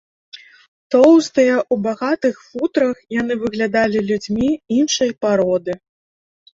Тоўстыя, у багатых футрах, яны выглядалі людзьмі іншай пароды.